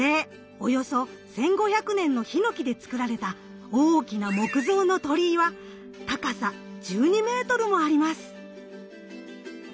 およそ１，５００年のヒノキで作られた大きな木造の鳥居は高さ１２メートルもあります。